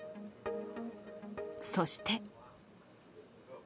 そして。